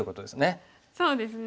そうですね。